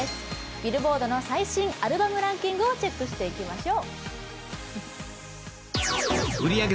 ビルボードの最新アルバムランキングをチェックしていきましょう。